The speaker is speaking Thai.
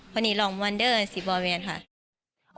คนนี้ร้องมันเด้อน่าจะเปรียบเทียบกันค่ะ